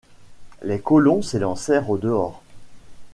Les colons s’élancèrent au dehors.